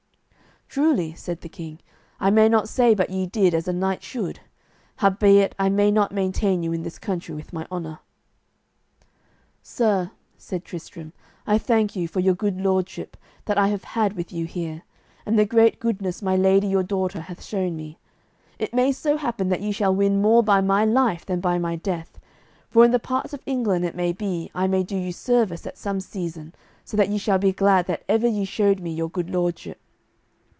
"Truly," said the king, "I may not say but ye did as a knight should; howbeit I may not maintain you in this country with my honour." "Sir," said Tristram, "I thank you for your good lordship that I have had with you here, and the great goodness my lady your daughter hath shown me. It may so happen that ye shall win more by my life than by my death, for in the parts of England it may be I may do you service at some season so that ye shall be glad that ever ye showed me your good lordship.